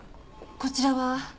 こちらは？